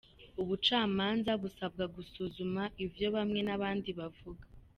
Ubucamanza busabwa gusuzuma ivyo bamwe n'abandi bavuga.